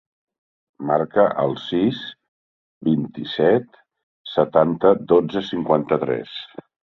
Marca el sis, vint-i-set, setanta, dotze, cinquanta-tres.